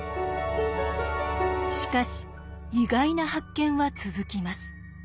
しかし意外な発見は続きます。